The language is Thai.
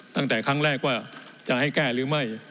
ตั้งแต่ครั้งแรกว่าจะให้แก้หรือไม่